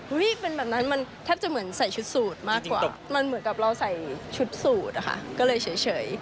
เป็นแบบนั้นมันแทบจะเหมือนใส่ชุดสูตรมากกว่ามันเหมือนกับเราใส่ชุดสูตรอะค่ะก็เลยเฉย